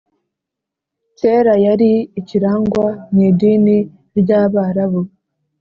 kera yari ikirangwa mu idini ry’abarabu